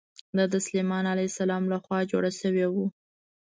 دا د سلیمان علیه السلام له خوا جوړ شوی و.